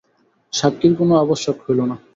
সাক্ষীর কোনো আবশ্যক হইল না।